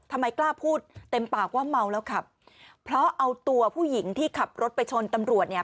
ทำไมกล้าพูดเต็มปากว่าเมาแล้วขับเพราะเอาตัวผู้หญิงที่ขับรถไปชนตำรวจเนี่ย